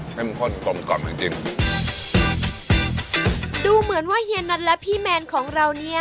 ข้นกลมกล่อมจริงจริงดูเหมือนว่าเฮียน็อตและพี่แมนของเราเนี้ย